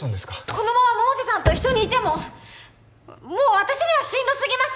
このまま百瀬さんと一緒にいてももう私にはしんどすぎます！